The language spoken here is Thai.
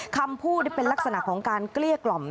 คำพูดนี่เป็นลักษณะของการเกลี้ยกล่อม